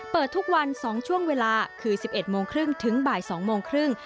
เปิดทุกวัน๒ช่วงเวลาคือ๑๑โมงครึ่งถึงบ่าย๒โมงครึ่ง